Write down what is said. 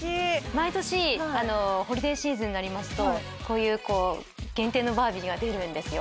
毎年ホリデーシーズンになりますと限定のバービーが出るんですよ。